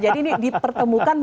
jadi ini dipertemukan